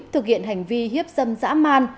thực hiện hành vi hiếp dâm dã man